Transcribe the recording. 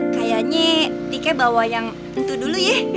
kayaknya tike bawa yang itu dulu ya